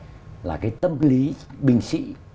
nó là cái tâm lý bình sĩ